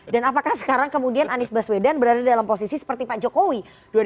dan apakah sekarang kemudian anies baswedan berada dalam posisi seperti pak jokowi